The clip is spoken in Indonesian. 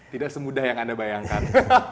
tidak semudah yang anda bayangkan